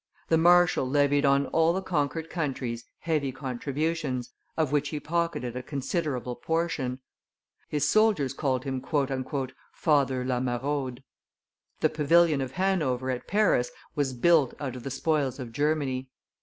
The marshal levied on all the conquered countries heavy contributions, of which he pocketed a considerable portion. His soldiers called him "Father La Maraude." The pavilion of Hanover at Paris was built out of the spoils of Germany.